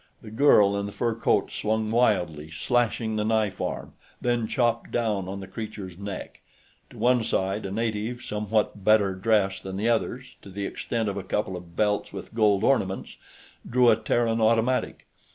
The girl in the fur coat swung wildly, slashing the knife arm, then chopped down on the creature's neck. To one side, a native somewhat better dressed than the others, to the extent of a couple of belts with gold ornaments, drew a Terran automatic.